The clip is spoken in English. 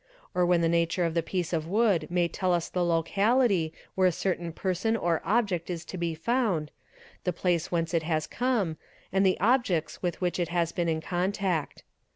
or when the nature of the piece of wood may tell us . the locality where a certain person or object is to be found, the place t 'whence it has come, and the objects with which it has been in contact.